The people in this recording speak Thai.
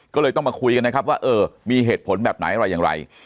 ก็เลยต้องมาคุยกันนะครับว่ามีเหตุผลแบบไหนอะไร